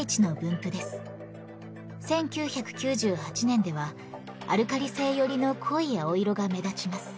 １９９８年ではアルカリ性寄りの濃い青色が目立ちます。